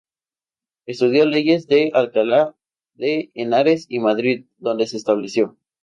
Estudió leyes en Alcalá de Henares y Madrid, donde se estableció.